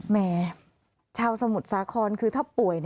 แหมชาวสมุทรสาครคือถ้าป่วย